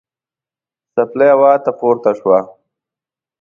څپلۍ هوا ته پورته شوه.